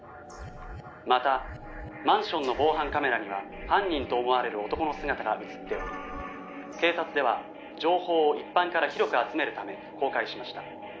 「またマンションの防犯カメラには犯人と思われる男の姿が映っており警察では情報を一般から広く集めるため公開しました」